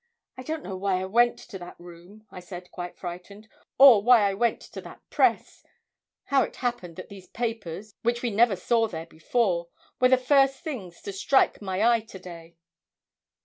'I don't know why I went to that room,' I said, quite frightened; 'or why I went to that press; how it happened that these papers, which we never saw there before, were the first things to strike my eye to day.'